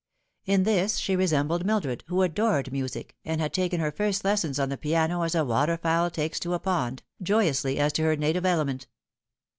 In this she resembled Mildred, who adored music, and had taken her first lessons on the piano as a water fowl takes to a pond, joyously, as to her native element.